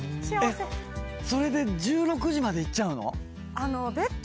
それで１６時までいっちゃうの？